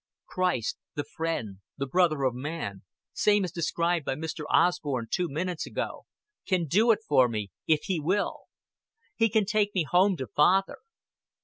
Christ, the friend, the brother of man same as described by Mr. Osborn two minutes ago can do it for me if He will. He can take me home to Father."